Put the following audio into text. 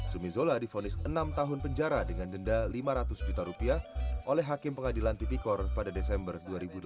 zumi zola difonis enam tahun penjara dengan denda lima ratus juta rupiah oleh hakim pengadilan tipikor pada desember dua ribu delapan belas